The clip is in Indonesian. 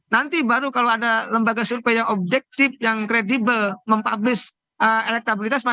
nanti baru kalau ada lembaga survei yang objektif yang kredibel mempublish elektabilitas